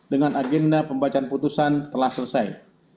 dengan agenda pembacaan putusan telah selesai